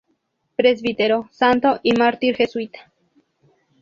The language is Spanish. Presbítero, santo y mártir jesuita.